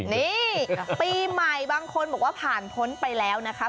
นี่ปีใหม่บางคนบอกว่าผ่านพ้นไปแล้วนะคะ